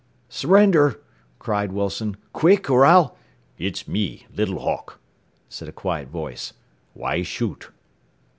"Surrender!" cried Wilson. "_Quick, or I'll _" "It me, Little Hawk," said a quiet voice. "Why shoot?"